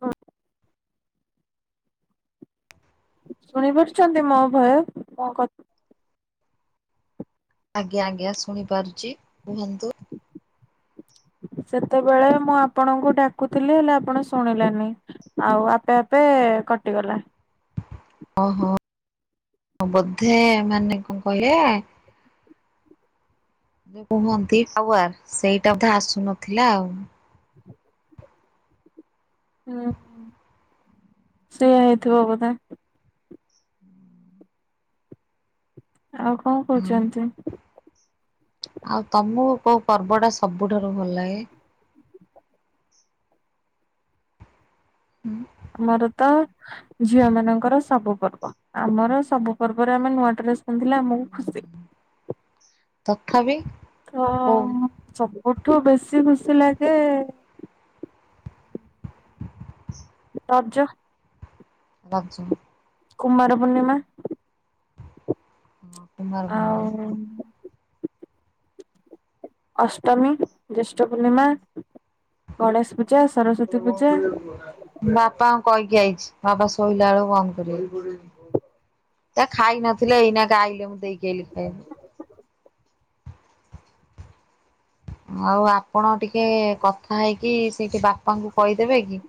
ହଁ। ଶୁଣି ପାରୁଛନ୍ତି ମୋ ଭୟ ମୋ କ ଆଜ୍ଞା ଆଜ୍ଞା ଶୁଣିପାରୁଛି। କୁହନ୍ତୁ? ସେତେବେଳେ ମୁଁ ଆପଣଙ୍କୁ ଡାକୁଥିଲି ହେଲେ ଆପଣ ଶୁଣିଲେନି। ଆଉ ଆପେ ଆପେ କଟିଗଲା। ଓହୋ ବୋଧେ ମାନେ କଣ କହିବେ ଯ କୁହନ୍ତି ଟାୱାର ସେଇଟା ବୋଧେ ଆସୁନଥିଲା ଆଉ। [inaudible] ହୁଁ ସେଇଆା ହେଇଥିବ ବୋଧେ? ଆଉ କଣ ହୁଁ କହୁଛନ୍ତି? ଆଉ ତମକୁ କୋଉ ପର୍ବ ଟା ସବୁଠାରୁ ଭଲ ଲାଗେ? ହୁଁ। ଆମର ତ ଝିଅମାନଙ୍କର ସବୁ ପର୍ବ, ଆମର ସବୁ ପର୍ବରେ ଆମେ ନୂଆ ଡ୍ରେସ୍ ପିନ୍ଧିଲେ ଆମକୁ ଖୁସି, ତଥାପି ଅ କୋଉ ସବୁଠୁ ବେଶୀ ଖୁସି ଲାଗେ ରଜ ରଜ କୁମାର ପୂର୍ଣ୍ଣିମା ହଁ। କୁମାର ପୂର୍ଣ୍ଣିମା ଆଉ ଅଷ୍ଟମୀ, ଜ୍ୟେଷ୍ଠ ପୂର୍ଣ୍ଣିମା, ଗଣେଶ ପୂଜା, ସରସ୍ଵତୀ ପୂଜା ମୁଁ ବାପାଙ୍କୁ କହିକି ଆଇଛି, ବାପା ଶୋଇଲା ବେଳକୁ ବନ୍ଦ କରିବେ। ସେ ଖାଇ ନଥିଲେ, ଏଇନାକେ ଆଇଲି ମୁଁ ଦେଇକି ଆଇଲି ଖାଇଆକୁ। ଆଉ ଆପଣ ଟିକେ କଥା ହେଇକି, ସେଇଠି ବାପାଙ୍କୁ କହିଦେବେ କି?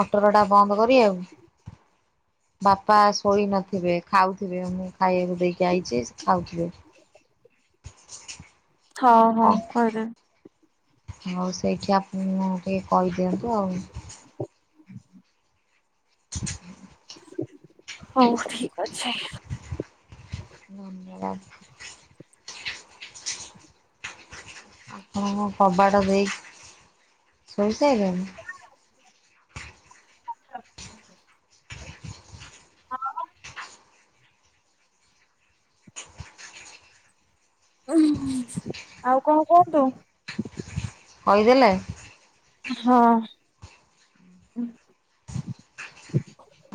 ମଟରଟା ବନ୍ଦ କରିଆକୁ। ବାପା ଶୋଇନଥିବେ, ଖାଉଥିବେ ମୁଁ ଖାଇବାକୁ ଦେଇକି ଆଇଛି ଖାଉଥିବେ। ହଉ ହଉ କହିଦେବି। ହଉ ସେଇଠି ଆପଣ ଟିକେ କହିଦିଅନ୍ତୁ ଆଉ। ହଉ ଠିକ୍ ଅଛି। [unintelligible] ଆପଣ କଣ କବାଟ ଦେଇ ଶୋଇସାଇଲେଣି? ଉଁ ଆଉ କଣ କୁହନ୍ତୁ? କହିଦେଲେ? ହଁ।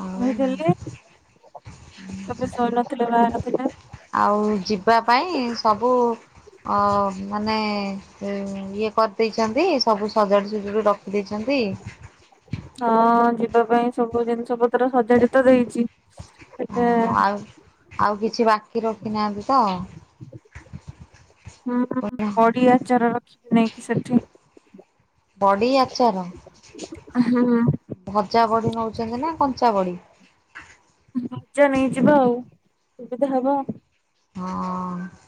ଆଉ କହିଦେଲେ, ଏବେ ଶୋଇନଥିଲେ ବାହାରଥିଲେ। ଆଉ ଯିବା ପାଇଁ ସବୁ ଅ ମାନେ ଇଏ କରିଦେଇଚନ୍ତି, ସବୁ ସଜାଡ଼ୁ ସୁଜୁଡି ରଖ ଦେଇଛନ୍ତି? ହଁ ଯିବା ପାଇଁ ସବୁ ଜିନିଷପତ୍ର ସଜାଡ଼ି ତ ଦେଇଛି। ହେଲେ ହଁ ଆଉ ଆଉ କିଛି ବାକି ରଖିନାହାନ୍ତି ତ? ହୁଁ ପୁଣି ବଡି ଆଚାର ରଖିବି ନେଇକି ସେଠି। ବଡ଼ି ଆଚାର ହୁଁ। ଭଜା ବଡି ନଉଚନ୍ତି ନା କଞ୍ଚା ବଡି? ଭଜା ନେଇଯିବା ଆଉ ସୁବିଧା ହବ। ହଁ।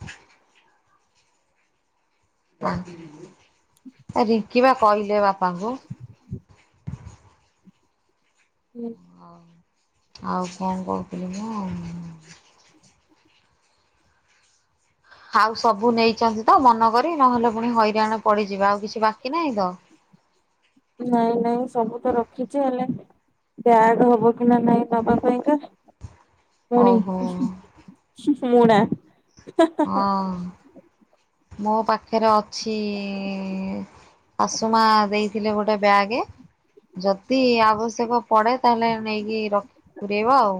ରିଙ୍କି ବା କହିଲେ ବାପାଙ୍କୁ। ହୁଁ। ଆଉ କଣ କହୁଥିଲି ମ? ଆଉ ସବୁ ନେଇଚନ୍ତି ତ ମନକରି, ନହେଲେ ପୁଣି ହଇରାଣ ପଡିଯିବେ। ଆଉ କିଛି ବାକି ନାହିଁ ତ? ନାଇଁ ନାଇଁ ସବୁ ତ ରଖିଛି, ହେଲେ ବ୍ୟାଗ୍ ହବ କି ନା ନାଇଁ ନବା ପାଇଁକା? ପୁଣି ଓହୋ ମୁଣା। ହଁ ମୋ ପାଖରେ ଅଛି ଶାଶୁମା ଦେଇଥିଲେ ଗୋଟେ ବ୍ୟାଗ୍। ଯଦି ଆବଶ୍ୟକ ପଡେ, ତାହେଲେ ନେଇକି ର ପୁରେଇବା ଆଉ।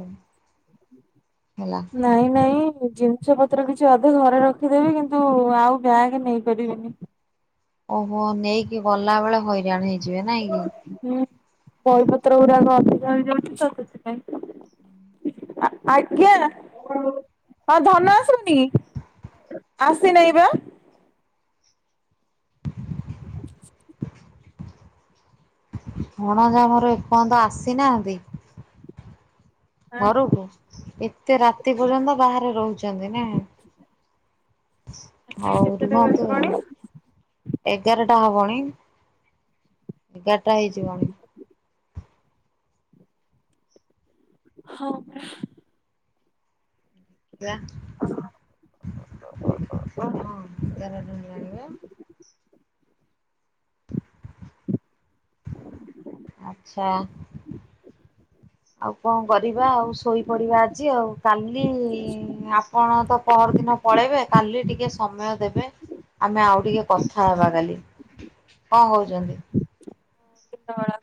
ହେଲା ନାଇଁ ନାଇଁ ଜିନଷପତ୍ର କିଛି ଅଧେ ଘରେ ରଖିଦେବି କିନ୍ତୁ ଆଉ ବ୍ୟାଗ ନେଇପାରିବିନି। ଓହୋ ନେଇକି ଗଲା ବେଳେ ହଇରାଣ ହେଇଯିବେ ନାଇଁ କି? ହୁଁ। ବହିପତ୍ର ଗୁଡାକ ଅଧିକା ହେଇଯାଉଚି ତ ସେଥିପାଇଁ। ଆ-ଆଜ୍ଞା ହଁ ଧନ ଆସୁନି। ଆସି ନେଇଁ ପା। ହଁ ଭଣଜା ମୋର ଏପର୍ଯ୍ୟନ୍ତ ଆସିନାହାନ୍ତି ଘରକୁ। ଏତେ ରାତି ପର୍ଯ୍ୟନ୍ତ ବାହାରେ ରହୁଚନ୍ତି ନା। ହୋଉ କେତେଟା ରୁହନ୍ତୁ ଆଉ। ବାଜିଲାଣି ଏଗାରଟା ହବଣି ଏଗାରଟା ହେଇଯିବଣି। ହଁ ପରା। ରା ହଁ ଏଗାରଟା ହେଲାଣି ପା। ଆଚ୍ଛା। ଆଉ କଣ କରିବା ଆଉ ଶୋଇପଡିବା ଆଜି ଆଉ କାଲି ଆପଣ ତ ପହରଦିନ ପଳେଇବେ କାଲି ଟିକେ ସମୟ ଦେବେ ଆମେ ଆଉ ଟିକେ କଥାହବା କାଲି। କଁ ହୋଉଚନ୍ତି? କେତେବେଳା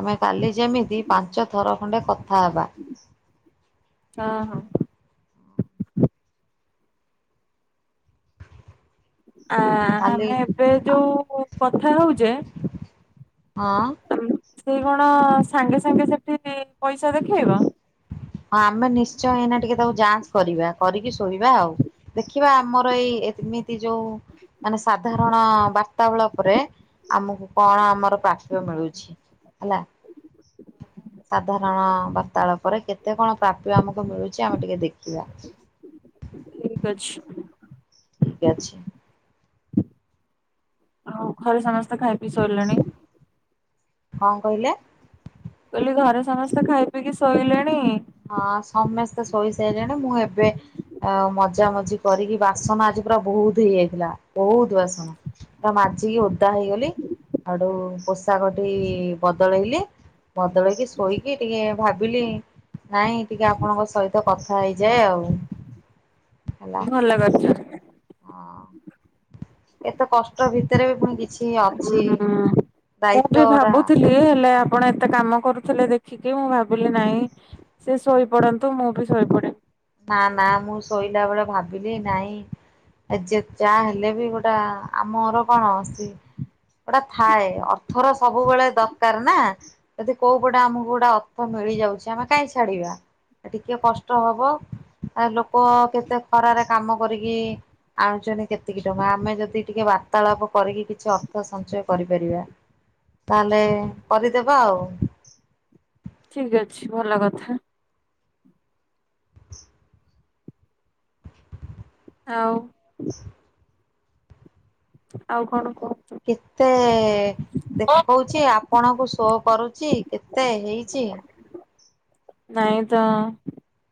ଆମେ କାଲି ଯେମିତି ପାଞ୍ଚ ଥର ଖଣ୍ଡେ କଥା ହବା। ହଁ ହଁ। ଆ କାଲି ଆମେ ଏବେ ହଁ ଯୋଉ କଥା ହୋଉଚେ ହଁ। ସେ କଣ ସାଙ୍ଗେ ସାଙ୍ଗେ ସେଠି ପଇସା ଦେଖେଇବ? ହଁ ଆମେ ନିଶ୍ଚୟ ଏଇନା ଟିକେ ତାକୁ ଯାଞ୍ଚ କରିବା କରିକି ଶୋଇବା ଆଉ। ଦେଖିବା ଆମର ଏଇ ଏତି ଏମିତି ଯୋଉ ମାନେ ସାଧାରଣ ବାର୍ତ୍ତା ବେଳା ପରେ ଆମକୁ କଣ ଆମର ପ୍ରାଥ୍ୟ ମିଳୁଛି। ହେଲା ସାଧାରଣ ବାର୍ତ୍ତାଳା ପରେ କେତେ କଣ ପ୍ରାପ୍ୟ ଆମକୁ ମିଳୁଚି ଆମେ ଟିକେ ଦେଖିବା। ଠିକ ଅଛି। ଠିକ ଅଛି। ଆଉ ଘରେ ସମସ୍ତେ ଖାଇପିଇ ଶୋଇଲେଣି? ହଁ କହିଲେ? ମୁଁ କହିଲି ଘରେ ସମସ୍ତେ ଖାଇ ପିଇକି ଶୋଇଲେଣି? ହଁ ସମସ୍ତେ ଶୋଇସାଇଲେଣି ମୁଁ ଏବେ ଆଉ ମଜାମଜି କରିକି ବାସନ ଆଜି ପୁରା ବୋହୁତ ହେଇଯାଇଥିଲା ବୋହୁତ ବାସନ। ପୁରା ମାଜିକି ଓଦା ହେଇଗଲି ହେଠୁ ପୋଷାକଟି ବଦଳେଇଲି ବଦଳେଇକି ଶୋଇକି ଟିକେ ଭାବିଲି ନାଇଁ ଟିକେ ଆପଣଙ୍କ ସହିତ କଥା ହେଇଯାଏ ଆଉ। ହେଲା। ଭଲ କରଚ। ହଁ। ଏତେ କଷ୍ଟ ଭିତରେ ବି ପୁଣି କିଛି ଅଛି ହୁଁ। ଦାୟିତ୍ଵ ଗୋଟା ଇରୁ ହେଲେ ଆ ଆପଣ ଏତେ କାମ କରୁଥିଲେ ଦେଖିକି ମୁଁ ଭାବିଲି ନାଇଁ ସେ ଶୋଇପଡନ୍ତୁ ମୁଁ ବି ଶୋଇପଡେ। ନା ନା ମୁଁ ଶୋଇଲା ବେଳେ ଭାବିଲି ନାଇଁ ଏ ଯେ ଜାହା ହେଲେ ବି ଗୋଟା ଆମର କଣ ସ୍ତ୍ରୀ ଗୋଟା ଥାଏ ଅର୍ଥର ସବୁବେଳେ ଦରକାର ନା ଯଦି କୋଉ ପଟେ ଆମକୁ ଗୋଟେ ଅର୍ଥ ମିଳିଯାଉଛି ଆମେ କାଇଁ ଛାଡିବା ଏ ଟିକିଏ କଷ୍ଟ ହବ ଆ ଲୋକ କେତେ ଖରାରେ କାମ କରିକି ଆଣୁଛନ୍ତି କେତିକି ଟଙ୍କା ଆମେ ଯଦି ଟିକେ ବାର୍ତ୍ତାଳାପ କରିକି କିଛି ଅର୍ଥ ସଞ୍ଚୟ କରିପାରିବା ତାହେଲେ କରିଦେବା ଆଉ। ଠିକ ଅଛି ଭଲ କଥା। ଆଉ। ଆଉ କଣ କହ? କେତେ ଦେଖଉଛି ଆପଣଙ୍କୁ ଶୋ କରୁଚି କେତେ ହେଇଛି? ନାଇ ତ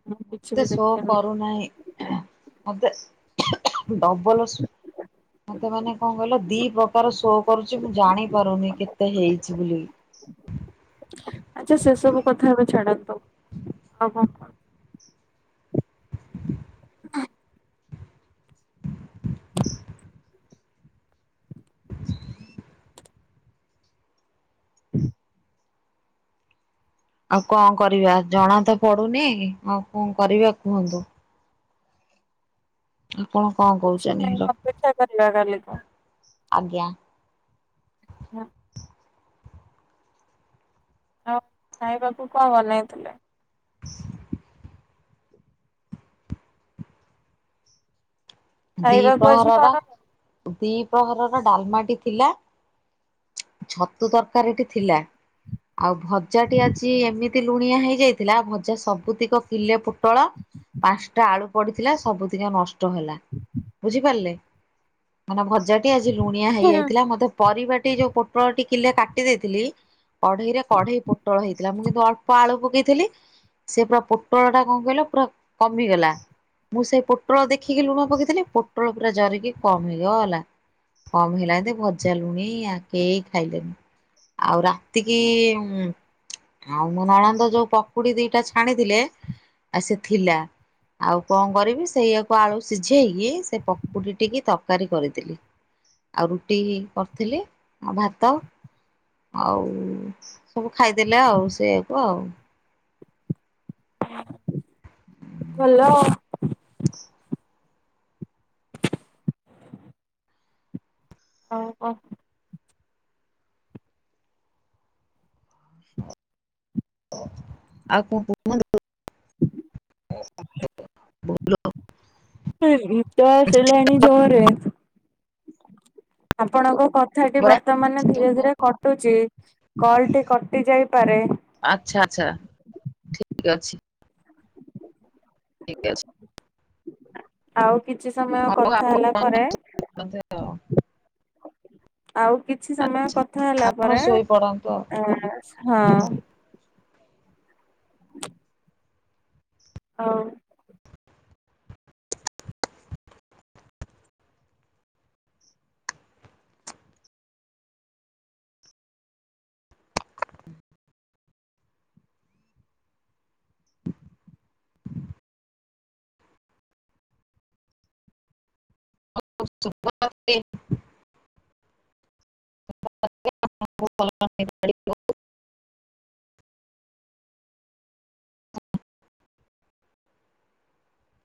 ମୁଁ କିଛି ମତେ ବି ଶୋ ଦେଖିନି କରୁନାହିଁ ମତେ ଡବଲ ମତେ ମାନେ କଣ କହିଲ ଦି ପ୍ରକାର ଶୋ କରୁଛି ମୁଁ ଜାଣିପାରୁନି କେତେ ହେଇଛି ବୋଲି ଆଚ୍ଛା ସେ ସବୁ କଥା ଏବେ ଛାଡ଼ନ୍ତୁ ଆଉ କ ଆଉ କଣ କରିବା ଜଣା ତ ପଡୁନି ଆଉ କଣ କରିବା କୁହନ୍ତୁ? ଆପଣ କଣ କିଛି କହୁଛନ୍ତି ନାହିଁ ର ଅପେକ୍ଷା କରିବା କାଲିକୁ ଆଜ୍ଞା। ହଁ। ଆଉ ଖାଇବାକୁ କଣ ବନେଇଥିଲେ? ଦି ଖାଇବାକୁ ଆଜି ପ୍ରହରର କଣ? ଦି ପ୍ରହରର ଡାଲମାଟି ଥିଲା ଛତୁ ତରକାରୀଟି ଥିଲା ଆଉ ଭଜାଟି ଆଜି ଏମିତି ଲୁଣିଆ ହେଇଯାଇଥିଲା ଭଜା ସବୁତିକ ପିଲେ ପୋଟଳ ପାଞ୍ଚଟା ଆଳୁ ପଡିଥିଲା ସବୁଦିକା ନଷ୍ଟ ହେଲା। ବୁଝିପାରିଲେ ମାନେ ଭଜାଟି ଆଜି ଲୁଣିଆ ହେଇଯାଇଥିଲା ମତେ ପରିବାଟି ଯୋଉ ପୋଟଳ ଟି କିଲେ କାଟି ଦେଇଥିଲି କଢେଇରେ କଢେଇ ପୋଟଳ ହେଇଥିଲା ମୁଁ କିନ୍ତୁ ଅଳ୍ପ ଆଳୁ ପକେଇଥିଲି ସେ ପୁରା ପୋଟଳ ଟା କଣ କହିଲ ପୁରା କମିଗଲା ମୁଁ ସେଇ ପୋଟଳ ଦେଖିକି ଲୁଣ ପକେଇ ପୋଟୋଳ ପୁରା ଜରିକି କମ ହେଇଗଲା। କମ ହେଲା ଜଦି ଭଜା ଲୁଣିଆ କେହି ଖାଇଲେନି। ଆଉ ରାତିକି ଆଉ ମୋ ନଣନ୍ଦ ଯୋଉ ପକୁଡି ଦିଟା ଛାଣିଥିଲେ ଆ ସେ ଥିଲା ଆଉ କଣ କରିବି ସେଇଆକୁ ଆଳୁ ସି ଶିଝେଇକି ସେ ପକୁଡି ଟିକେ ତରକାରୀ କରିଦେଲି। ଆଉ ରୁଟି କରିଥିଲି ଆଉ ଭାତ ଆଉ ସବୁ ଖାଇଦେଲେ ଆଉ ସେଇଆକୁ ଆଉ। ଭଲ। ଆଉ କ। ଆଉ [unintelligible] [inaudible] [unintelligible] ନିଦ ଆସିଲାଣି ଜୋରରେ। ଆପଣଙ୍କ କଥାଟି ପରା ବର୍ତ୍ତମାନ ଧୀରେ ଧୀରେ କଟୁଛି କଲ ଟି କଟି ଯାଇପାରେ ଆଚ୍ଛା ଆଚ୍ଛା ଠିକ ଅଛି। ଠିକ୍ ଅଛି। ଆଉ କିଛି ସମୟ ହଉ କଥା ହେଲା ପରେ ଆପଣ ଆଉ କିଛି ସମୟ କଥା ହେଲା ପରେ ଶୋଇପଡନ୍ତୁ ଆଉ। ହଁ [inaudible] ହଁ। [unintelligible] [unintelligible]